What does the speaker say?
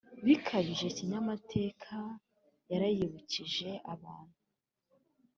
bikabije kinyamateka yarayibukije, abantu